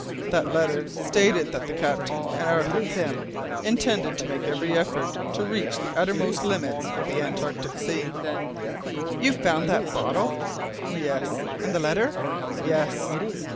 That letter stated that the captain and Arthur Pym intended to make every effort to reach the uttermost limits of the Antarctic Sea!" "You found that bottle?" "Yes!" "And the letter?" "Yes!"